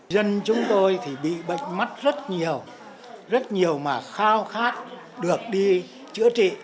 dân chúng tôi thì bị bệnh mất rất nhiều rất nhiều mà khao khát được đi chữa trị